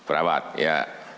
ibu perawat ada